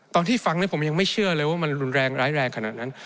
ตอนที่ฟังผมยังไม่เชื่อเลยว่ามันรุนแรงร้ายแรงขนาดนั้น